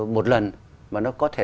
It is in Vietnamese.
một lần mà nó có thể